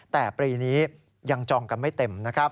แต่ปีนี้ยังจองกันไม่เต็มนะครับ